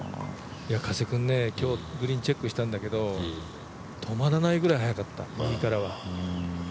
今日グリーンチェックしたんだけど止まらないぐらい速かった、右から。